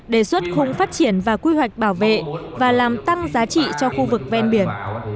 đề xuất khung phát triển và quy hoạch bảo vệ và làm tăng giá trị cho khu vực ven biển